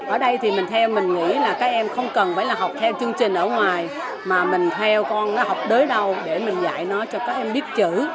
ở đây thì mình theo mình nghĩ là các em không cần phải là học theo chương trình ở ngoài mà mình theo con nó học tới đâu để mình dạy nó cho các em biết chữ